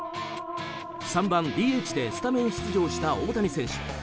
３番ＤＨでスタメン出場した大谷選手。